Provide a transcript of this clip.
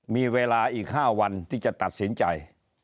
มีเวลาอีก๕วันที่จะตัดสินใจ